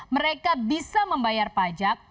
mereka bisa membayar pajak